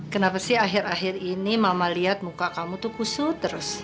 kenapa sih akhir akhir ini mama lihat muka kamu tuh kusut terus